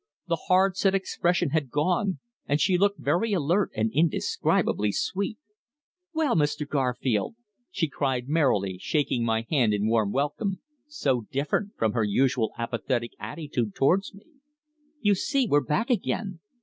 The hard set expression had gone, and she looked very alert and indescribably sweet. "Well, Mr. Garfield!" she cried merrily, shaking my hand in warm welcome, so different from her usual apathetic attitude towards me. "You see we're back again!